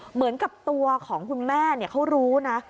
เหมือนกับตัวของคุณแม่เขารู้นะ